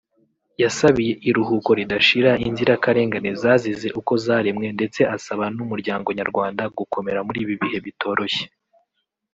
yasabiye iruhuko ridashira inzirakarengane zazize uko zaremwe ndetse asaba n’umuryango nyarwanda gukomera muri ibi bihe bitoroshye